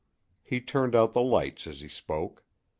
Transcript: He turned out the lights as he spoke.